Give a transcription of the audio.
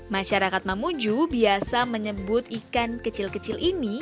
masyarakat mamuju biasa menyebut ikan kecil kecil ini